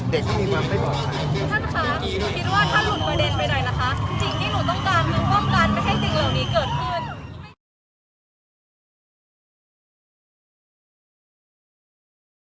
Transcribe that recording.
เด็กก็มีความไม่ปลอดภัย